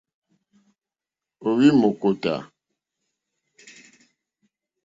Ò óhwì mâkótá.